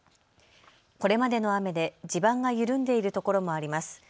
これまでの雨で地盤が緩んでいるところもあります。